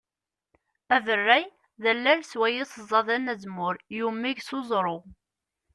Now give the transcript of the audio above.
Aberray d allal swayes ẓẓaden azemmur, yemmug s uẓru.